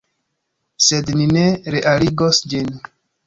Sed ni ne realigos ĝin.